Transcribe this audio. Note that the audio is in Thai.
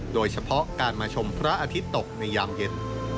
โดยเฉพาะการมาชมพระอาทิตย์ตกในยามเย็น